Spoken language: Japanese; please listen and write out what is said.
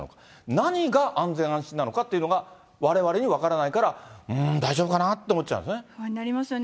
何が安心・安全なのかっていうのがわれわれに分からないから、うーん、大丈夫かなって思っちゃうんですよね。